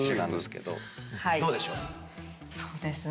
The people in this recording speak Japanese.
そうですね。